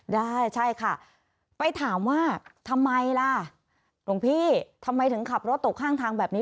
ได้ใช่ค่ะไปถามว่าทำไมล่ะหลวงพี่ทำไมถึงขับรถตกข้างทางแบบนี้